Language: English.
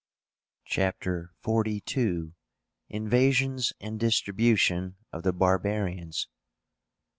CHAPTER XLII. INVASIONS AND DISTRIBUTION OF THE BARBARIANS.